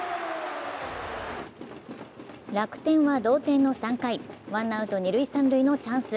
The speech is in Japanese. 楽天は同点の３回、ワンアウト二・三塁のチャンス。